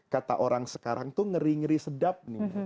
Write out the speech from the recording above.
kata orang sekarang itu ngeri ngeri sedap